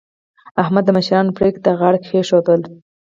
احمد د مشرانو پرېکړې ته غاړه کېښودله.